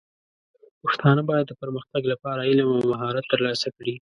پښتانه بايد د پرمختګ لپاره علم او مهارت ترلاسه کړي.